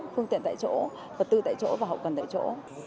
phương tiện tại chỗ vật tư tại chỗ và hậu cần tại chỗ